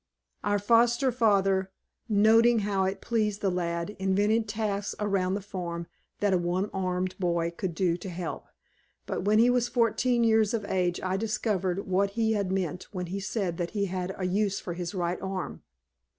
"Our foster father, noting how it pleased the lad, invented tasks around the farm that a one armed boy could do to help, but when he was fourteen years of age I discovered what he had meant when he said that he had a use for his right arm.